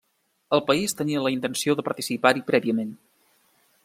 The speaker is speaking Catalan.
El país tenia la intenció de participar-hi prèviament.